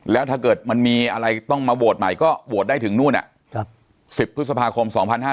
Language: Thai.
แล้วถ้าเกิดมันมีอะไรต้องมาโหวตใหม่ก็โหวตได้ถึงนู่น๑๐พฤษภาคม๒๕๕๙